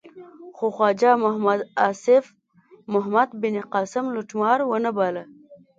خو خواجه محمد آصف محمد بن قاسم لوټمار و نه باله.